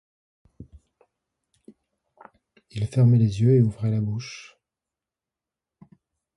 Il fermait les yeux et ouvrait la bouche.